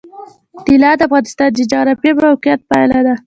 طلا د افغانستان د جغرافیایي موقیعت پایله ده.